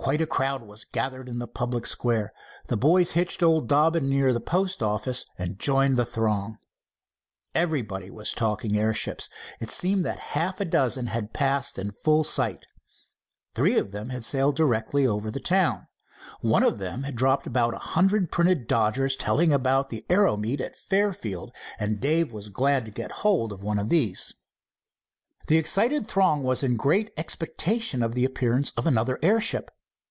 Quite a crowd was gathered in the public square. The boys hitched old Dobbin near the post office and joined the throng. Everybody was talking airships. It seemed that half a dozen had passed in full sight. Three of them had sailed directly over the town. One of them had dropped about a hundred printed dodgers, telling about the aero meet at Fairfield, and Dave was glad to get hold of one of these. The excited throng was in great expectation of the appearance of another airship.